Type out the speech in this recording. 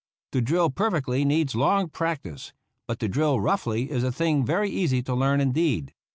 To drill perfectly needs long practice, but to drill roughly is a thing very easy to learn indeed.